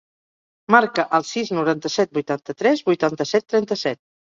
Marca el sis, noranta-set, vuitanta-tres, vuitanta-set, trenta-set.